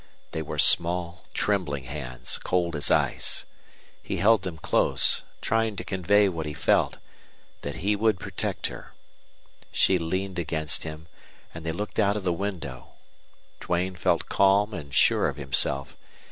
They were small, trembling hands, cold as ice. He held them close, trying to convey what he felt that he would protect her. She leaned against him, and they looked out of the window. Duane felt calm and sure of himself.